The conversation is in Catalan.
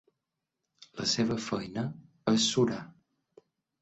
La seva feina és surar.